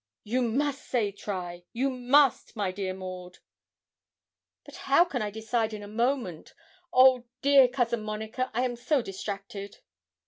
'You must say try you must, my dear Maud.' 'But how can I decide in a moment? Oh, dear Cousin Monica, I am so distracted!'